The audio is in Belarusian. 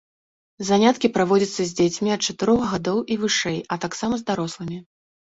Заняткі праводзяцца з дзецьмі ад чатырох гадоў і вышэй, а таксама з дарослымі.